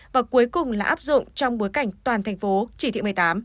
và cuối cùng là áp dụng trong bối cảnh toàn thành phố chỉ thị một mươi tám